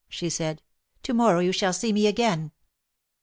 she said, " to morrow you shall see me again."